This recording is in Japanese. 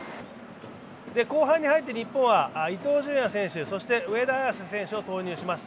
後半に入って日本は伊東純也選手、上田綺世選手を入れます。